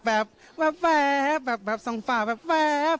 แบบแบบสองฝ่าแบบแบบ